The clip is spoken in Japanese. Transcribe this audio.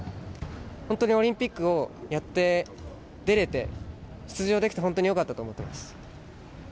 本当にオリンピックをやって出れて出場できて本当に良かったと思っています。